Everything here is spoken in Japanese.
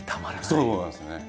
そうなんですね。